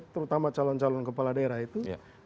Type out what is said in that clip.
terutama calon calon kepala daerah itu